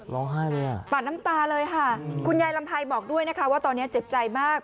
ร้องไห้เลยอ่ะปาดน้ำตาเลยค่ะคุณยายลำไยบอกด้วยนะคะว่าตอนนี้เจ็บใจมาก